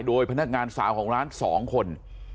โดยพนักงานสาวของร้าน๒คน